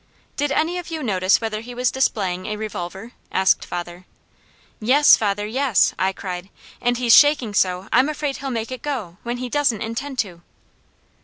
"Did any of you notice whether he was displaying a revolver?" asked father. "Yes father! Yes!" I cried. "And he's shaking so I'm afraid he'll make it go, when he doesn't intend to."